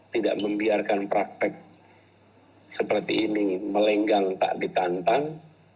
tidak membiarkan praktek seperti ini melenggang tak ditantang